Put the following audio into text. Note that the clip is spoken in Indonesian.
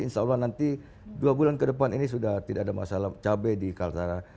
insya allah nanti dua bulan ke depan ini sudah tidak ada masalah cabai di kaltara